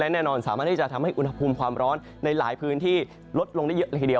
แน่นอนสามารถที่จะทำให้อุณหภูมิความร้อนในหลายพื้นที่ลดลงได้เยอะเลยทีเดียว